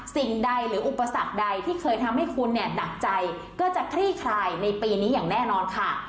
สิ่งใดหรืออุปสรรคใดที่เคยทำให้คุณเนี่ยหนักใจก็จะคลี่คลายในปีนี้อย่างแน่นอนค่ะ